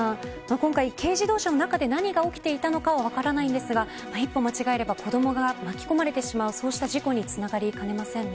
今回、軽自動車の中で何が起きていたのかは分かりませんが一歩間違えれば、子どもが巻き込まれてしまうそうした事故につながりかねませんね。